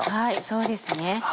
そうですね。